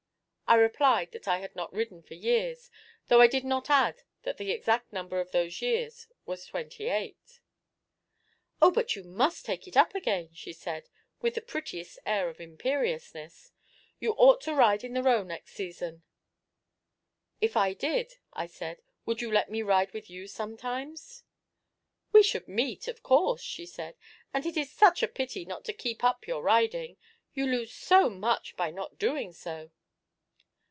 I replied that I had not ridden for years though I did not add that the exact number of those years was twenty eight. 'Oh, but you must take it up again!' she said, with the prettiest air of imperiousness. 'You ought to ride in the Row next season.' 'If I did,' I said, 'would you let me ride with you sometimes?' 'We should meet, of course,' she said; 'and it is such a pity not to keep up your riding you lose so much by not doing so.'